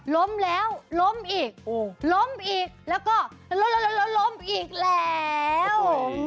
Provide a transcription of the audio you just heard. ล้มแล้วล้มอีกล้มอีกแล้วก็ล้มแล้วล้มอีกแล้ว